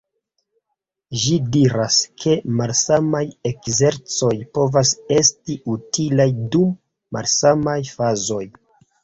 Ĝi diras, ke malsamaj ekzercoj povas esti utilaj dum malsamaj fazoj.